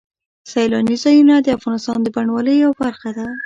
سیلاني ځایونه د افغانستان د بڼوالۍ یوه برخه ده.